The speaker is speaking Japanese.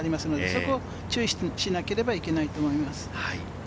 そこを注意しなければいけないと思います。